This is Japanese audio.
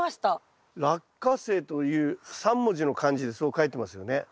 「落花生」という３文字の漢字でそう書いてますよね。